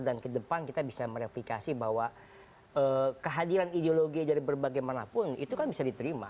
dan ke depan kita bisa mereplikasi bahwa kehadiran ideologi dari berbagai manapun itu kan bisa diterima